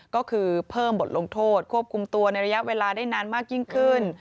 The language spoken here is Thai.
ก็คือเพิ่มบทลงโทษควบคุมตัวในระยะเวลาได้นานมากยิ่งขึ้น